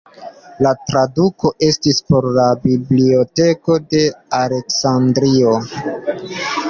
La traduko estis por la Biblioteko de Aleksandrio.